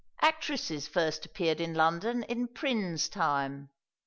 Actresses first appeared in London in Prynne's time.